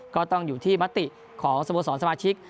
ก็ต้องอยู่ที่มติของสโมสรสมาชิก